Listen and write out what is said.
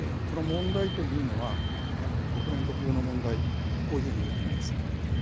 その問題というのは、国連特有の問題、こういうふうにいえると思います。